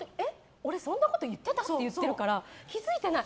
俺そんなこと言ってた？って言ってるから気づいてない。